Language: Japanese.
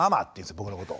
僕のこと。